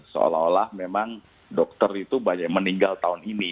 seolah olah memang dokter itu banyak meninggal tahun ini